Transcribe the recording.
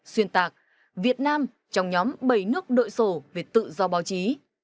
xuyên tạc việt nam trong nhóm bảy nước đội sổ về tự do báo chí